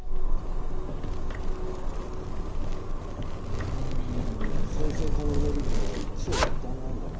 うん再生可能エネルギーも一長一短なんだなあ。